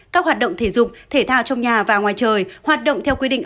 các hoạt động thể dục thể thao trong nhà và ngoài trời hoạt động theo quy định